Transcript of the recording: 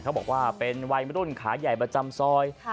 เขาบอกว่าเป็นวัยรุ่นขาใหญ่ประจำซอย